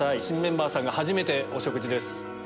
新メンバーさんが初めてお食事です